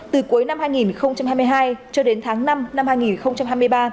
từ cuối năm hai nghìn hai mươi hai cho đến tháng năm năm hai nghìn hai mươi ba